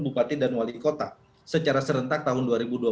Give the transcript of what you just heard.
bupati dan wali kota secara serentak tahun dua ribu dua puluh